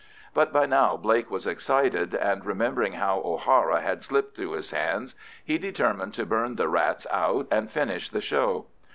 But by now Blake was excited, and remembering how O'Hara had slipped through his hands, he determined to burn the rats out and finish the show.